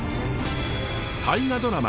大河ドラマ